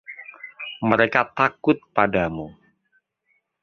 Mereka takut padamu.